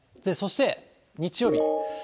そして日曜日。